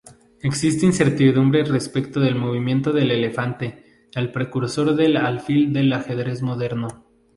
Existe incertidumbre respecto del movimiento del "elefante", el precursor del alfil del ajedrez moderno.